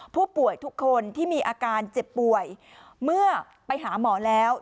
ผู้ป่วยทุกคนที่มีอาการเจ็บป่วยเมื่อไปหาหมอแล้ว